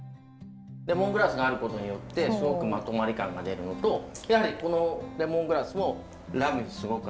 レモングラスがあることによってすごくまとまり感が出るのとやはりこのレモングラスもラムにすごく合う。